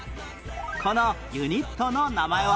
このユニットの名前は？